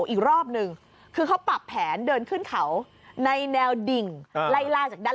อีกรอบนึงคือเขาปรับแผนเดินขึ้นเขาในแนวดิ่งไล่ล่าจากด้าน